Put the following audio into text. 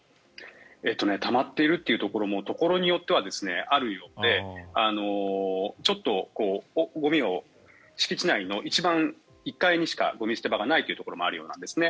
たまっているというところもところによってはあるようでちょっと敷地内の一番１階にしかゴミ捨て場がないというところもあるようなんですね。